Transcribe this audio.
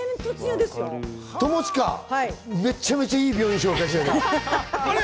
めちゃくちゃいい病院を紹介してやる。